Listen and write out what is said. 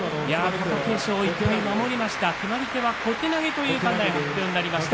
貴景勝１敗を守りました。